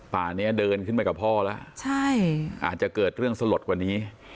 ป่านี้เดินขึ้นไปกับพ่อแล้วใช่อาจจะเกิดเรื่องสลดกว่านี้